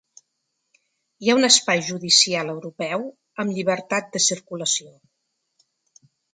Hi ha un espai judicial europeu amb llibertat de circulació.